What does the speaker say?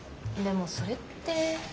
でもそれって。